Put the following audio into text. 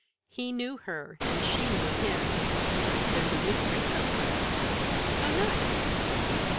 He knew her, and she knew him. There's a mystery somewhere." "How nice!"